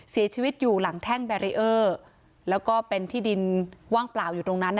เสียชีวิตอยู่หลังแท่งแบรีเออร์แล้วก็เป็นที่ดินว่างเปล่าอยู่ตรงนั้น